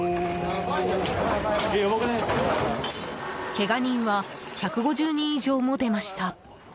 けが人は１５０人以上も出ました。